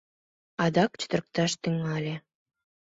Адак чытырыкташ тӱҥале.